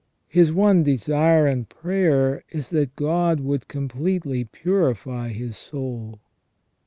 His one desire and prayer is that God would completely purify his soul.